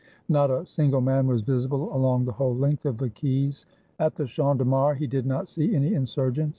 Not a single man was visible along the whole length of the quays. At the Champ de Mars he did not see any in surgents.